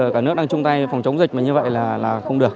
cả nước đang chung tay phòng chống dịch mà như vậy là không được